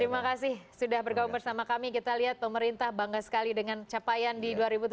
terima kasih sudah bergabung bersama kami kita lihat pemerintah bangga sekali dengan capaian di dua ribu tujuh belas